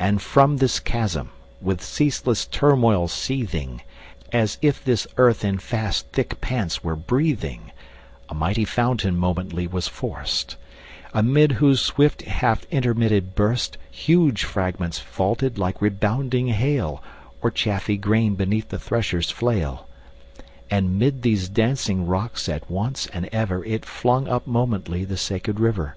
And from this chasm, with ceaseless turmoil seething, As if this earth in fast thick pants were breathing, A mighty fountain momently was forced; Amid whose swift half intermitted burst 20 Huge fragments vaulted like rebounding hail, Or chaffy grain beneath the thresher's flail: And 'mid these dancing rocks at once and ever It flung up momently the sacred river.